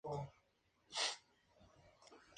Las pinturas se reflejan la vida de los hombres antiguos.